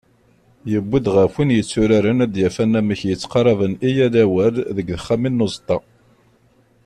Yewwi-d ɣef win yetturaren ad d-yaf anamek yettqaṛaben i yal awal deg texxamin n uẓeṭṭa.